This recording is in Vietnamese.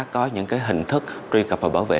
có những hình thức truy cập và bảo vệ